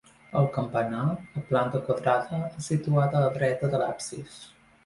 El campanar, de planta quadrada, és situat a la dreta de l'absis.